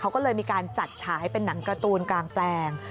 เขาก็เลยมีการจัดฉายเป็นหนังการ์ตูนกลางแปลง